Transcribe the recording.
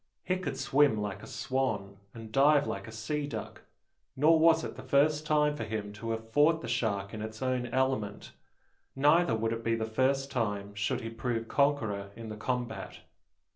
He could swim like a swan, and dive like a sea duck; nor was it the first time for him to have fought the shark in its own element; neither would it be the first time should he prove conqueror in the combat.